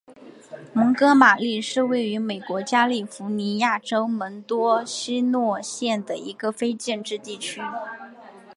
蒙哥马利是位于美国加利福尼亚州门多西诺县的一个非建制地区。